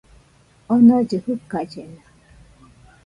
Onollɨ jɨkallena